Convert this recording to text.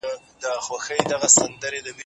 دا ډالۍ به هر کال لیږل کیږي.